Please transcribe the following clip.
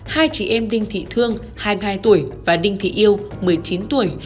hai chị em đinh thị thương hai mươi hai tuổi và đinh thị yêu một mươi chín tuổi